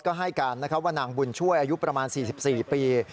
ก็ให้การว่านางบุญช่วยอายุประมาณ๔๔ปี